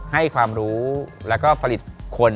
ให้ความรู้แล้วก็ผลิตคน